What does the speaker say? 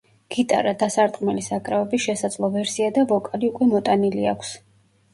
გიტარა, დასარტყმელი საკრავების შესაძლო ვერსია და ვოკალი უკვე მოტანილი აქვს.